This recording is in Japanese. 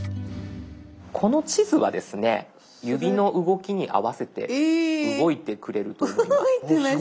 この地図はですね指の動きに合わせて動いてくれると思います。